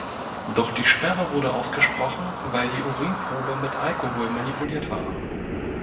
Doch die Sperre wurde ausgesprochen, weil die Urinprobe mit Alkohol manipuliert war.